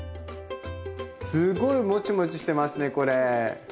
すごいモチモチしてますねこれ。